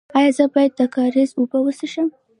ایا زه باید د کاریز اوبه وڅښم؟